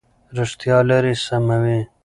رښتیا لارې سموي.